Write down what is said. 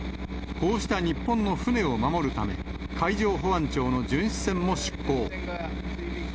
こうした日本の船を守るため、海上保安庁の巡視船も出港。